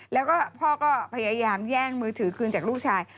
แล้วก็พ่อก็พยายามแย่งมือถือคืนจากลูกชาย